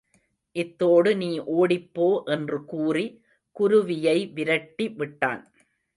இத்தோடு நீ ஒடிப்போ என்று கூறி, குருவியை விரட்டிவிட்டான்.